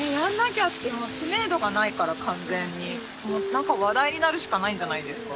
なんか話題になるしかないんじゃないですか。